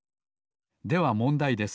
ではもんだいです。